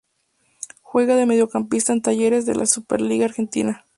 Juega de mediocampista en Talleres de la Superliga Argentina.